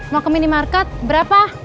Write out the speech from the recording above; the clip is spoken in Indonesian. mau ke minimarket berapa